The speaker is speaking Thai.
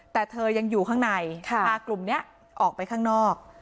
แต่เธอยังอยู่ข้างในพากลุ่มนี้ออกไปข้างนอก